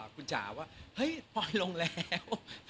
คุณจ๋าว่าเฮ้ยปล่อยลงแล้ว